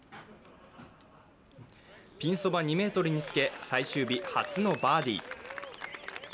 ピンそば２ｍにつけ、最終日初のバーディー。